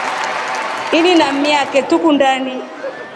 Ini na mii akwe tukundani.